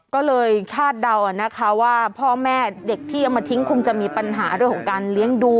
ก็เลยคาดเดานะคะว่าพ่อแม่เด็กที่เอามาทิ้งคงจะมีปัญหาเรื่องของการเลี้ยงดู